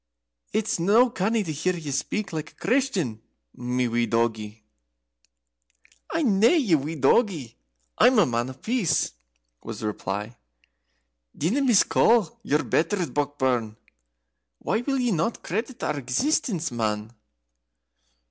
It's no canny to hear ye speak like a Christian, my wee doggie." "I'm nae your doggie, I'm a Man of Peace," was the reply. "Dinna miscall your betters, Brockburn: why will ye not credit our existence, man?"